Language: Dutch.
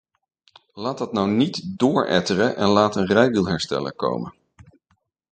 Laat dat nou niet dooretteren en laat een rijwielhersteller komen.